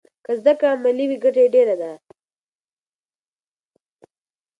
که زده کړه عملي وي ګټه یې ډېره ده.